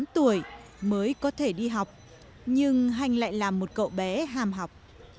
tám tuổi mới có thể đi học nhưng hanh lại là một cậu bé hàm học